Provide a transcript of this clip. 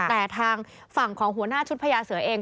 แต่ทางฝั่งของหัวหน้าชุดพญาเสือเอง